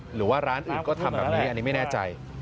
หรือว่าร้านอื่นก็ทำแบบนี้อันนี้ไม่แน่ใจ